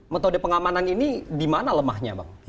metode pengamanan ini di mana lemahnya bang